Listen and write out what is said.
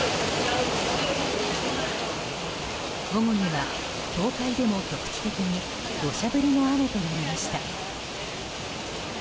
午後には、東海でも局地的に土砂降りの雨となりました。